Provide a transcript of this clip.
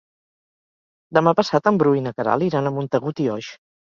Demà passat en Bru i na Queralt iran a Montagut i Oix.